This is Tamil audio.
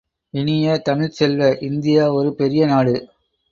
இனிய தமிழ்ச் செல்வ, இந்தியா ஒரு பெரிய நாடு.